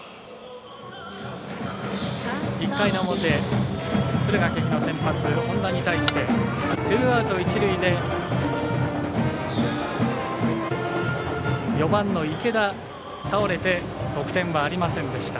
１回の表、敦賀気比の先発本田に対してツーアウト、一塁で４番の池田、倒れて得点はありませんでした。